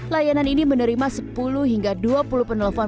layanan ini menerima sepuluh hingga dua puluh penelepon